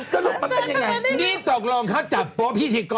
สรุปมันเป็นยังไงนี่ตกลงเขาจับโป๊พิธีกร